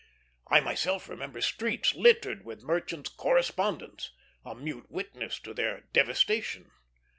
I myself remember streets littered with merchants' correspondence, a mute witness to other devastation.